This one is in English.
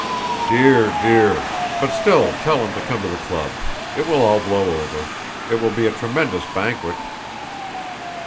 "Dear, dear! But still tell him to come to the club—it will all blow over. It will be a tremendous banquet."